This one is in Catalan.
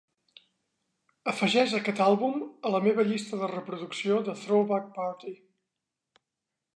afegeix aquest àlbum a la meva llista de reproducció de Throwback Party